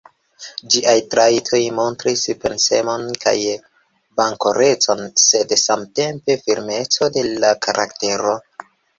Ĝiaj trajtoj montris pensemon kaj bonkorecon, sed, samtempe, firmecon de la karaktero.